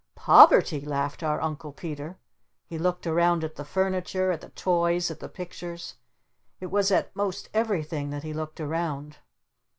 "'Poverty'?" laughed our Uncle Peter. He looked around at the furniture, at the toys, at the pictures. It was at most everything that he looked around.